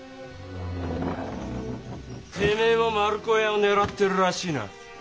てめえも丸子屋を狙ってるらしいな。